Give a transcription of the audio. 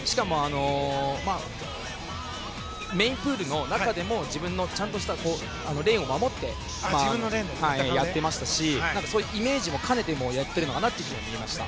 メインプールの中でも自分のちゃんとしたレーンを守ってやってましたしそういうイメージも兼ねてやっているのかなと思いました。